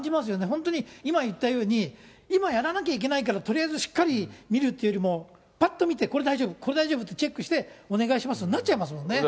本当に今言ったように、今やらなきゃいけないから、とりあえずしっかり見るというよりも、ぱっと見て、これ大丈夫、これ大丈夫ってチェックして、お願いしますになっちゃいますもんね。